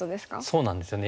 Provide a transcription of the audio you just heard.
そうなんですよね。